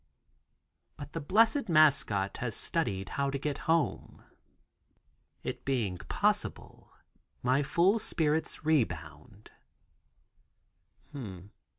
But the blessed mascot has studied how to get home. It being possible, my full spirits rebound.